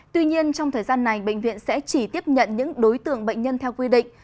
tuy nhiên trong thời gian này bệnh viện sẽ chỉ tiếp nhận những đối tượng bệnh nhân theo quy định